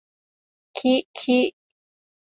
คิคิ